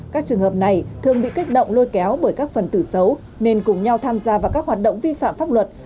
các trường hợp này thường bị kích động lôi kéo bởi các phần tử xấu nên cùng nhau tham gia vào các hoạt động vi phạm pháp luật